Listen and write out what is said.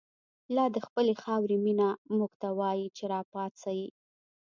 لادخپلی خاوری مینه، موږ ته وایی چه راپاڅئ